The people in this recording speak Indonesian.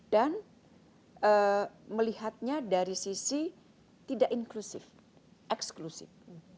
dan melihatnya dari sisi tidak inklusif eksklusif